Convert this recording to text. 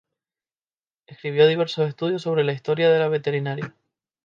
Escribió diversos estudios sobre la historia de la veterinaria.